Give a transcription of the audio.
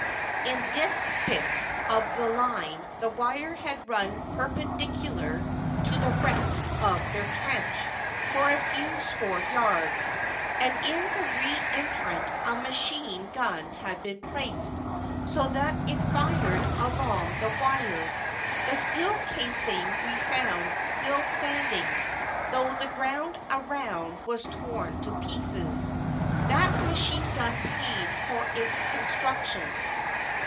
In this bit of the line the wire had run perpen dicular to the rest of their trench for a few score yards. And in the re entrant a machine gun had been placed, so that it fired along the wire. The steel casing we found still stand ing, though the ground around was torn to pieces. That machine gun paid for its con struction.